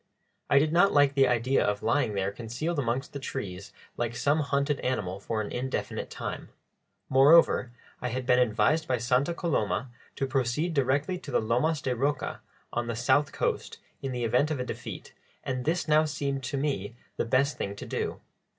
I did not like the idea of lying there concealed amongst the trees like some hunted animal for an indefinite time; moreover, I had been advised by Santa Coloma to proceed directly to the Lomas de Rocha, on the south coast, in the event of a defeat, and this now seemed to me the best thing to do.